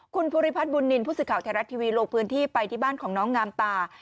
คุณภูริพัฒนบุญนินทร์ผู้สื่อข่าวไทยรัฐทีวีลงพื้นที่ไปที่บ้านของน้องงามตา